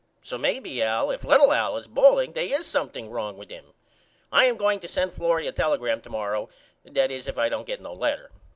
So maybe Al if little Al is balling they is something wrong with him. I am going to send Florrie a telegram to morrow that is if I don't get no letter.